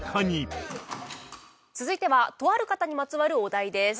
続いてはとある方にまつわるお題です。